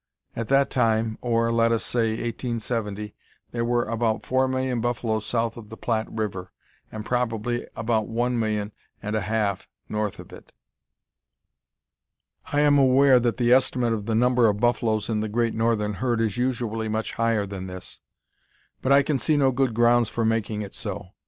At that time, or, let us say, 1870, there were about four million buffaloes south of the Platte River, and probably about one million and a half north of it. I am aware that the estimate of the number of buffaloes in the great northern herd is usually much higher than this, but I can see no good grounds for making it so.